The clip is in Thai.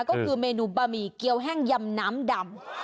ก็คือเมนูบะหมี่เกี้ยวแห้งยำน้ำดำ